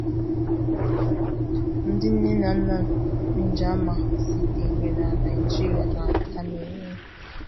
Ndị nne na nna Njamah sitere na Naijiria na Kameruun.